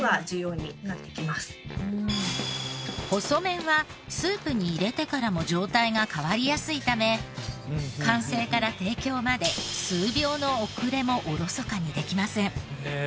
細麺はスープに入れてからも状態が変わりやすいため完成から提供まで数秒の遅れもおろそかにできません。